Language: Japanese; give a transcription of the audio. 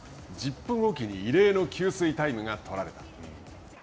１０分置きに異例の給水タイムが取られた。